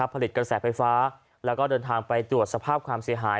ผลิตกระแสไฟฟ้าแล้วก็เดินทางไปตรวจสภาพความเสียหาย